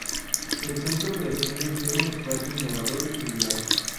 El Centro pretende ser un espacio innovador y singular.